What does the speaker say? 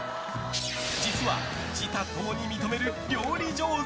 実は自他共に認める料理上手。